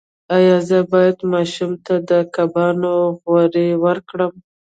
ایا زه باید ماشوم ته د کبانو غوړي ورکړم؟